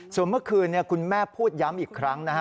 ส่วนเมื่อคืนคุณแม่พูดย้ำอีกครั้งนะฮะ